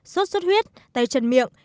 xuất xuất huyết tay chân miệng